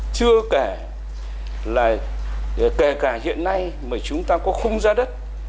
chưa kể là kể cả hiện nay mà chúng ta có khung giá đất